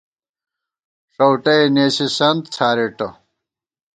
ݭؤٹئےنېسِسَنت څھارېٹہ